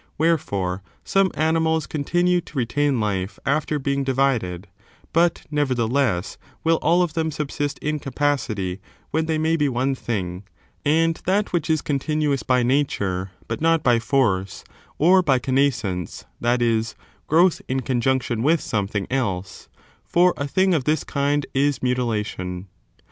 Wherefore, some animals continue to retain life after being divided : but, nevertheless, will all of them subsist in capacity when they may be one thing, and that which is continuous by nature, but not by force, or by connascence, that is, growth in conjunction with something else; for a thing of this kind is mutilation.